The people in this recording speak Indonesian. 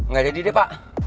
gak jadi deh pak